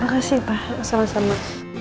makasih pak sama sama